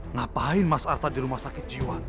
ngapain mas arta di rumah sakit jiwa